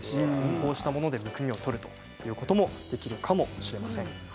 こういったもので、むくみを取るということもできるかもしれません。